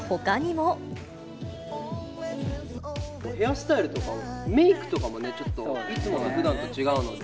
ヘアスタイルとか、メークとかもね、ちょっといつもと、ふだんと違うので。